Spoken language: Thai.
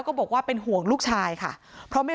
พร้อมด้วยผลตำรวจเอกนรัฐสวิตนันอธิบดีกรมราชทัน